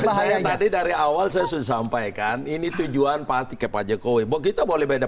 baru saya adik dari awal saya sudah sampaikan ini tujuan pasti ke pajakowi buat kita boleh beda